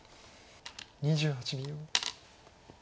２８秒。